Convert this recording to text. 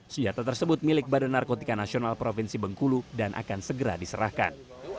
senjata tersebut milik badan narkotika nasional provinsi bengkulu dan akan segera diserahkan